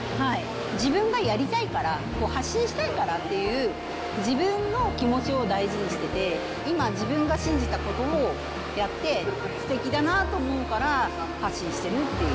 自分がやりたいから、発信したいからっていう、自分の気持ちを大事にしてて、今、自分が信じたことをやって、すてきだなと思うから、発信してるっていう。